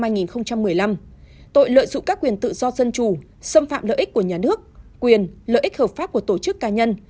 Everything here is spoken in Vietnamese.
tội lợi dụng các quyền tự do dân chủ xâm phạm lợi ích của nhà nước quyền lợi ích hợp pháp của tổ chức cá nhân